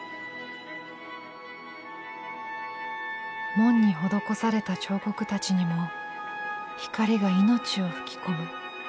門に施された彫刻たちにも光が命を吹き込む。